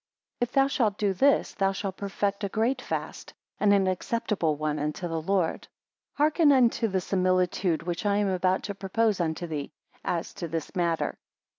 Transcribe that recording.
7 If thou shalt do this, thou shall perfect a great fast, and an acceptable one unto the Lord. 8 Hearken unto the similitude which I am about to propose unto thee, as to this matter.